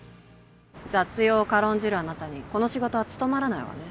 雑用を軽んじるあなたにこの仕事は務まらないわね